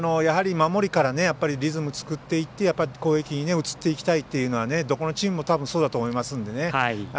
やはり守りからリズムを作っていって攻撃に移っていきたいというのはどこのチームもそうだと思います。